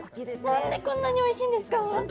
なんでこんなにおいしいんですか？